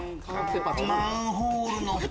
マンホールの蓋？